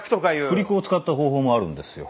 振り子を使った方法もあるんですよ。